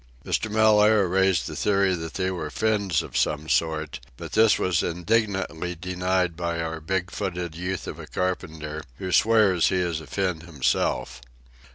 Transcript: Mr. Mellaire raised the theory that they were Finns of some sort, but this was indignantly denied by our big footed youth of a carpenter, who swears he is a Finn himself.